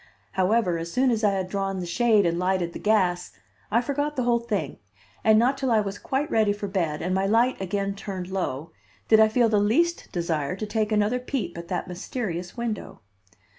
However, as soon as I had drawn the shade and lighted the gas, I forgot the whole thing, and not till I was quite ready for bed, and my light again turned low, did I feel the least desire to take another peep at that mysterious window.